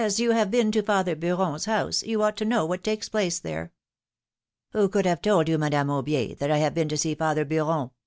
you have been to father Beuron's house, you ought to know what takes place there.^^ ^^Who could have told you, Madame Aubier, that I have been to see father Beuron?